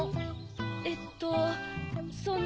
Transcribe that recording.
えっとその。